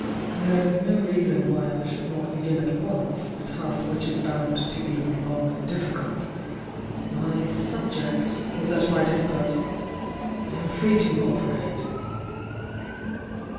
"There is no reason why I should not b^gin at once the task which is bound to be long and difficult! My 'subject' is at my disposal — I am free to operate!"